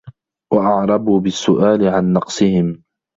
وَأَعْرَبُوا بِالسُّؤَالِ عَنْ نَقْصِهِمْ